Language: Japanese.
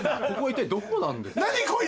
ここは一体どこなんですか？